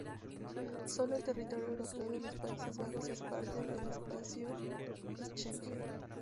Solo el territorio europeo de los Países Bajos es parte del espacio Schengen.